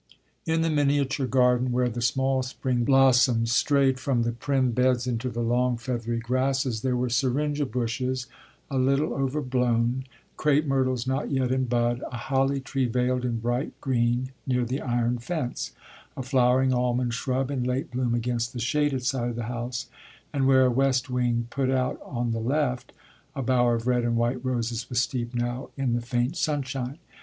In the miniature garden, where the small spring blossoms strayed from the prim beds into the long feathery grasses, there were syringa bushes, a little overblown; crape myrtles not yet in bud; a holly tree veiled in bright green near the iron fence; a flowering almond shrub in late bloom against the shaded side of the house; and where a west wing put out on the left, a bower of red and white roses was steeped now in the faint sunshine.